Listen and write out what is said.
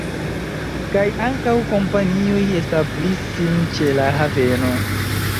Kaj ankaŭ kompanioj establis sin ĉe la haveno.